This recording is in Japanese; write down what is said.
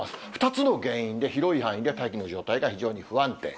２つの原因で広い範囲で大気の状態が非常に不安定。